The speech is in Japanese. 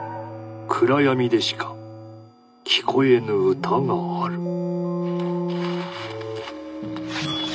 暗闇でしか聴こえぬ歌がある。